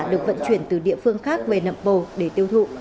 được vận chuyển từ địa phương khác về nậm bồ để tiêu thụ